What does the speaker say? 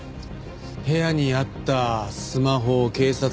部屋にあったスマホ警察手帳